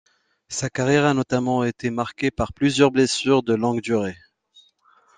Sa carrière a notamment été marquée par plusieurs blessures de longue durée.